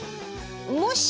もし。